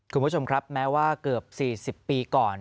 คุณผู้ชมครับแม้ว่าเกือบ๔๐ปีก่อน